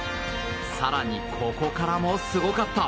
更に、ここからもすごかった。